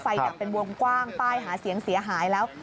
ดับเป็นวงกว้างป้ายหาเสียงเสียหายแล้ว